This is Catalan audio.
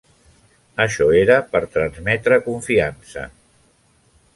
Això era per transmetre confiança.